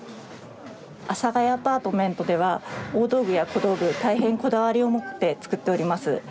「阿佐ヶ谷アパートメント」では大道具や小道具大変こだわりを持って作っております。